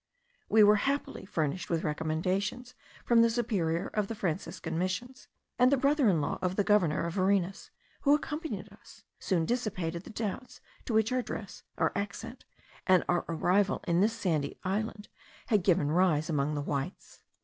We were happily furnished with recommendations from the Superior of the Franciscan Missions, and the brother in law of the governor of Varinas, who accompanied us, soon dissipated the doubts to which our dress, our accent, and our arrival in this sandy island, had given rise among the Whites.